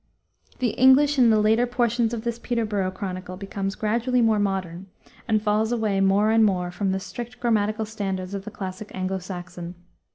The English in the later portions of this Peterborough chronicle becomes gradually more modern, and falls away more and more from the strict grammatical standards of the classical Anglo Saxon.